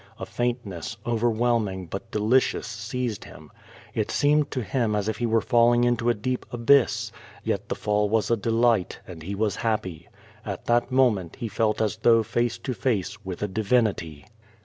A faintness, overwhelming but delicious, seized him. It seem ed to him as if he were falling into a deep abyss, yet the fall was a delight, and he was happy. At that moment he felt as though face to face with a divinity.